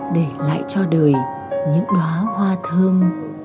để lại cho đời những đoá hoa thơm